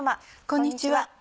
こんにちは。